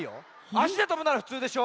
あしでとぶならふつうでしょ？